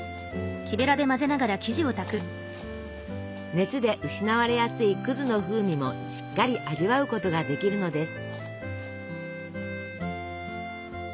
熱で失われやすいの風味もしっかり味わうことができるのです。